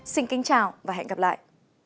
xin chào và hẹn gặp lại